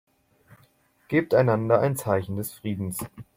Gebt einander ein Zeichen des Friedens.